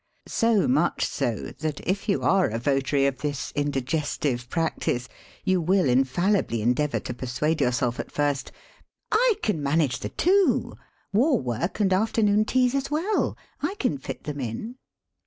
So much so, that if you are a votary of this indigestive practice, you will infallibly endeavour to per suade yourself at first: "I can manage the two — war work and afternoon teas as well. I can fit them in."